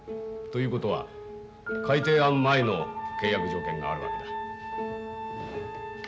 ということは改訂案前の契約条件があるわけだ。